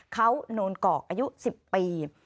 เขาโนนกอกอายุ๑๐ปี